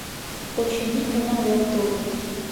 Очыни, уна-влак толыт...